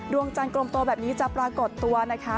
ดวงจันทร์กลมโตแบบนี้จะปรากฏตัวนะคะ